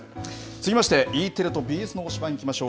続きましてＥテレとＢＳの推しバン！いきましょう。